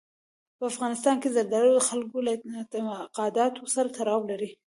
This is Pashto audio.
په افغانستان کې زردالو د خلکو له اعتقاداتو سره تړاو لري.